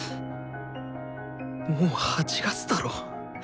もう８月だろ？